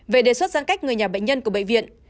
về đề xuất giãn cách người nhà bệnh nhân của bệnh viện